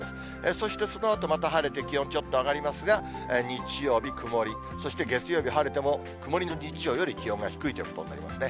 そしてそのあとまた晴れて気温ちょっと上がりますが、日曜日曇り、そして月曜日晴れても曇りの日曜より気温が低いということになりますね。